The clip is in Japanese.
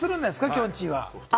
きょんちぃは。